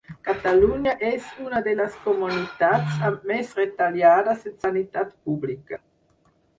Catalunya és una de les comunitats amb més retallades en Sanitat Pública